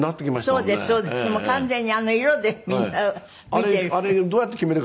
もう完全にあの色でみんな見てる。